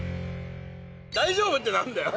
大丈夫ってなんだよ？